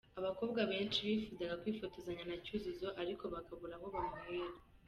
Abakobwa benshi bifuzaga kwifotozanya na Cyuzuzo ariko bakabura aho bamuhera.